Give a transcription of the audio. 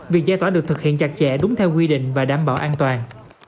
việc giải tỏa được thực hiện chặt chẽ đúng theo quy định và đảm bảo an toàn